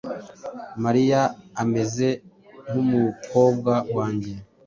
Mariya ameze nkumukobwa wanjye.